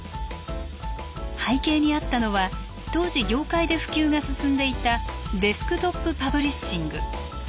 背景にあったのは当時業界で普及が進んでいたデスクトップ・パブリッシング。